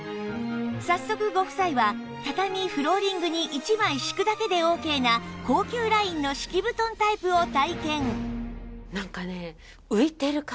早速ご夫妻は畳フローリングに１枚敷くだけでオーケーな高級ラインの敷き布団タイプを体験